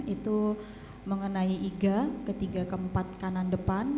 itu mengenai iga ketiga keempat kanan depan